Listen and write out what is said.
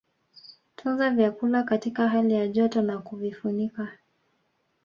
Tunza vyakula katika hali ya joto na kuvifunika